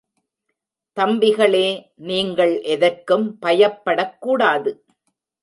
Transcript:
தம்பிகளே, நீங்கள் எதற்கும் பயப்படக்கூடாது.